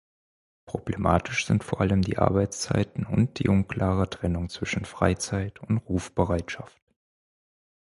Problematisch sind vor allem die Arbeitszeiten und die unklare Trennung zwischen Freizeit und Rufbereitschaft.